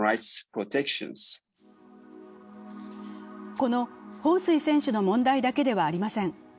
この彭帥選手の問題だけではありません。